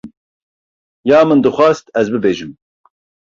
Ya min dixwast ez bibêjim.